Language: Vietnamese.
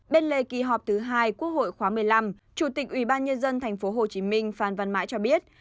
bên lề kỳ họp thứ hai quốc hội khóa một mươi năm chủ tịch ubnd thành phố hồ chí minh phan văn mãi cho biết